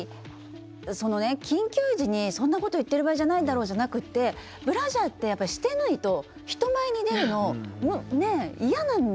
緊急時にそんなこと言ってる場合じゃないだろうじゃなくてブラジャーってやっぱりしてないと人前に出るのねえ嫌なんですよね。